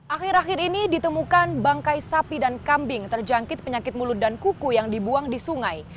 akhir akhir ini ditemukan bangkai sapi dan kambing terjangkit penyakit mulut dan kuku yang dibuang di sungai